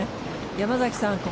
山崎さん